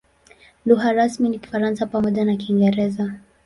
Lugha rasmi ni Kifaransa pamoja na Kiingereza.